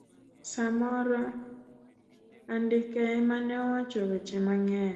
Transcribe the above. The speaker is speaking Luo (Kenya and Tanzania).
samoro andike emane owacho weche mangeny.